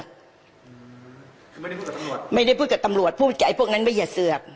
คือไม่ได้พูดกับตำรวจไม่ได้พูดกับตำรวจพูดไอ้พวกนั้นไม่เหยีบ